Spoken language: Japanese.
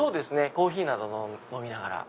コーヒーなど飲みながら。